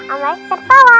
om baik tertawa